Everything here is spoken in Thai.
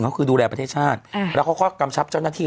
ก็คือดูแลประเทศชาติแล้วเขาก็กำชับเจ้าหน้าที่